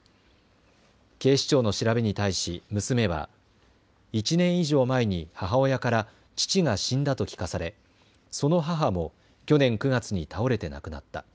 警視庁の調べに対し娘は１年以上前に母親から父が死んだと聞かされ、その母も去年９月に倒れて亡くなった。